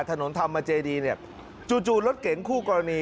ถนนธรรมเจดีเนี่ยจู่รถเก๋งคู่กรณี